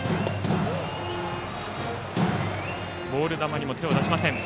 ボール球には手を出しません。